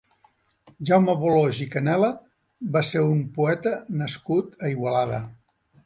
Jaume Boloix i Canela va ser un poeta nascut a Igualada.